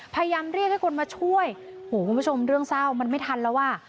พยายามเรียกให้คนมาช่วยโหคุณผู้ชมเรื่องเศร้ามันไม่ทันแล้วอ่ะ